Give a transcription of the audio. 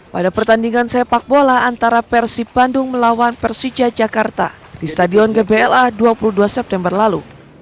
pada pertandingan sepak bola antara persib bandung melawan persija jakarta di stadion gbla dua puluh dua september lalu